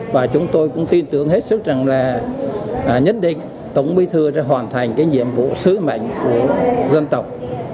và chúng tôi cũng tin tưởng hết sức rằng là nhất định tổng bí thư đã hoàn thành cái nhiệm vụ sứ mệnh của dân tộc